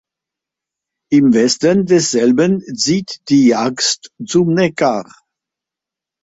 Im Westen desselben zieht die Jagst zum Neckar.